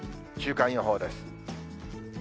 週間予報です。